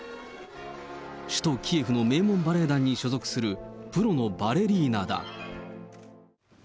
首都キエフの名門バレエ団に所属する、プロのバレリーナだ。